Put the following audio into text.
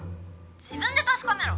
自分で確かめろ！